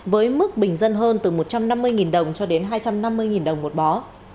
với mức bình dân hơn từ một trăm năm mươi đồng cho đến hai trăm năm mươi đồng một bó